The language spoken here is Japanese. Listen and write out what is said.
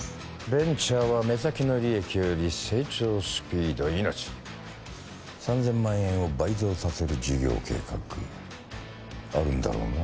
ベンチャーは目先の利益より成長スピード命３０００万円を倍増させる事業計画あるんだろうな？